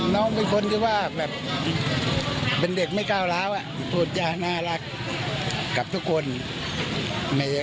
เราก็ได้มาทำงาน๓ห้างบ้างตลาดทุนบ้างอะไรอย่างนี้